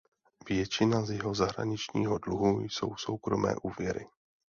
Většina z jeho zahraničního dluhu jsou soukromé úvěry.